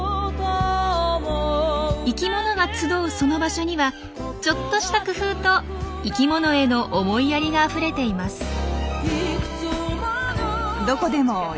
生きものが集うその場所にはちょっとした工夫と生きものへの思いやりがあふれています。